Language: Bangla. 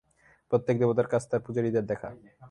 প্রত্যেক দেবতার কাজ তার পূজারীদের দেখা।